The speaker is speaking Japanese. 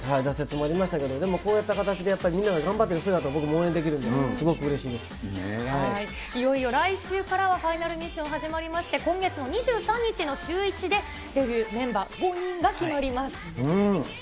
挫折もありましたけど、でもこうやった形で、みんなが頑張ってる姿は、僕も応援できるんで、いよいよ来週からはファイナルミッション始まりまして、今月の２３日のシューイチで、デビューメンバー５人が決まります。